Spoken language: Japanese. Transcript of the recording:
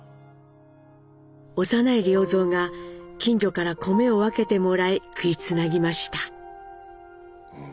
幼い良三が近所から米を分けてもらい食いつなぎました。